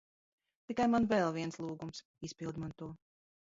Tikai man vēl viens lūgums. Izpildi man to.